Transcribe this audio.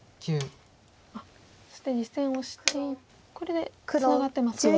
そして実戦オシてこれでツナがってますか。